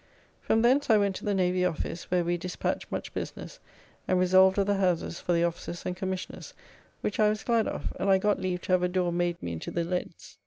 From thence I went to the Navy office, where we despatched much business, and resolved of the houses for the Officers and Commissioners, which I was glad of, and I got leave to have a door made me into the leads.